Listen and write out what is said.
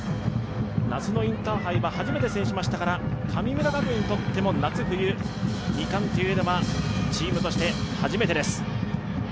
夏のインターハイは初めて制しましたから神村学園にとっても夏・冬二冠というのはチームとして初めてです。